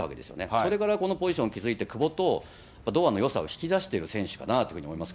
それからこのポジションについて、久保と堂安のよさを引き出してる選手かなぁというふうに思います